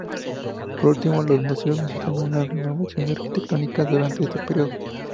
Por último, los museos necesitan una renovación arquitectónica durante este periodo.